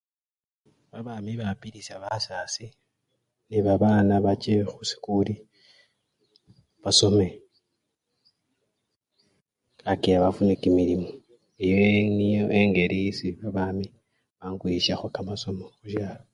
Babami bapilisya basasi ne babana bache khusikuli basome kakila bafune kimilimo eyo niyo engeli esii babami banguyisyakho kamasomo khusyalo.